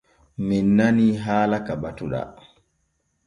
Men nanii haala ka batuɗaa.